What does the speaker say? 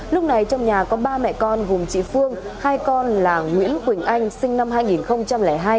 lúc này trong nhà có ba mẹ con gồm chị phương hai con là nguyễn quỳnh anh sinh năm hai nghìn hai